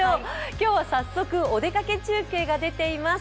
今日は早速、お出かけ中継が出ています。